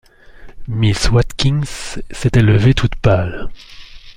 Miss Watkins s’était levée, toute pâle.